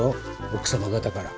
奥様方から。